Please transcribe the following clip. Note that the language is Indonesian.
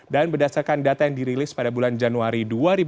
dan berdasarkan data yang dirilis pada bulan januari dua ribu dua puluh tiga